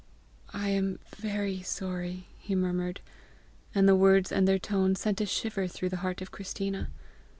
"I am very sorry!" he murmured; and the words and their tone sent a shiver through the heart of Christina.